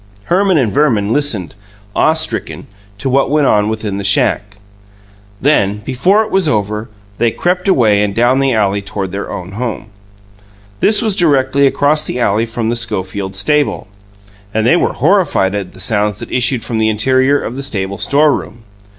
Herman and Verman listened awe stricken to what went on within the shack. Then, before it was over, they crept away and down the alley toward their own home. This was directly across the alley from the Schofields' stable, and they were horrified at the sounds that issued from the interior of the stable store room.